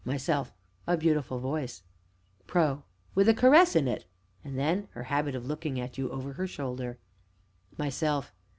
MYSELF. A beautiful voice PRO. With a caress in it! And then, her habit of looking at you over her shoulder. MYSELF.